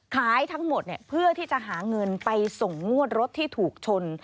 ขายทั้งหมดเพื่อที่จะหาเงินไปส่งงวดรถที่ถูกชน